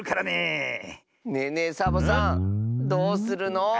ねえねえサボさんどうするの？